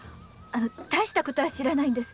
大したことは知らないんです。